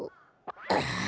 あっ！